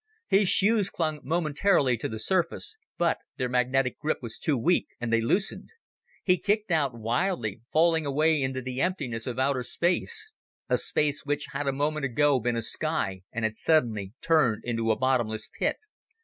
His shoes clung momentarily to the surface, but their magnetic grip was too weak, and they loosened. He kicked out wildly, falling away into the emptiness of outer space a space which had a moment ago been a sky and had suddenly turned into a bottomless pit.